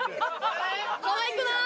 かわいくない？